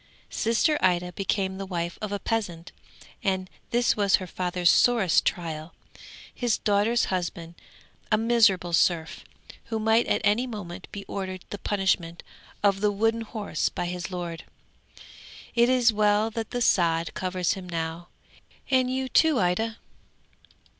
Sister Ida became the wife of a peasant, and this was her father's sorest trial. His daughter's husband a miserable serf, who might at any moment be ordered the punishment of the wooden horse by his lord. It is well that the sod covers him now, and you too, Ida!